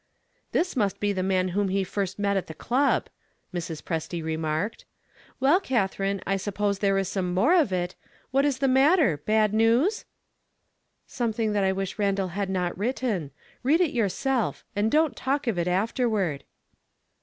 "This must be the man whom he first met at the club," Mrs. Presty remarked. "Well, Catherine, I suppose there is some more of it. What's the matter? Bad news?" "Something that I wish Randal had not written. Read it yourself and don't talk of it afterward."